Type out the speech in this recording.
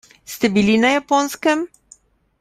Ste bili na Japonskem?